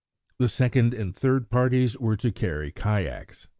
The second and third parties were to carry kayaks.